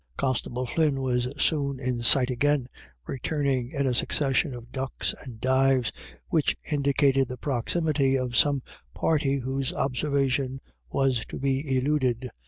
Constable Flynn was soon in sight again, return ing in a succession of ducks and dives which indicated the proximity of some party whose observation was to be eluded.